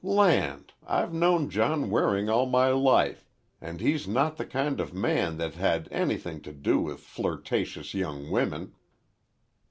"Land! I've known John Waring all my life, and he's not the kind of man that had anything to do with flirtatious young women."